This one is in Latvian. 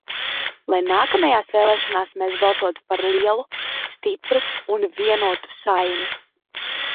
Lai nākamajās vēlēšanās mēs balsotu par lielu, stipru un vienotu Saeimu.